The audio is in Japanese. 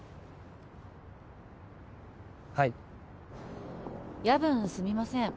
はい夜分すみません